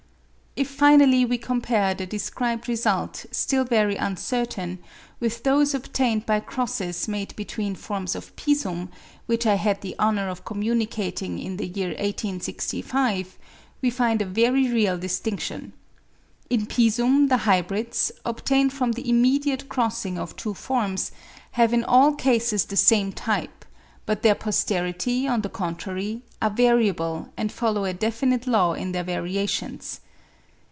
If finally we compare the described result, still very uncertain, with those obtained by crosses made between forms of Pisum, which I had the honour of communicating in the year 1865, we find a very real distinction. In Pisum the hybrids, obtained from the immediate crossing of two forms, have in all cases the same type, but their posterity, on the contrary, are variable and follow a definite law in their variations.